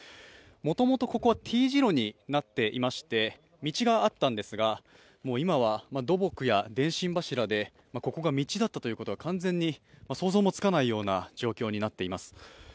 もともとここはＴ字路になっていまして道があったんですが、今は土木や電信柱でここが道だったということは完全に想像もつかない状況になっています。